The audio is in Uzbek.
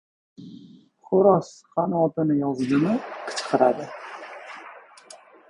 • Xo‘roz qanotini yozdimi, qichqiradi.